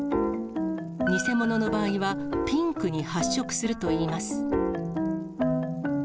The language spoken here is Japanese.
偽物の場合は、ピンクに発色するといいます。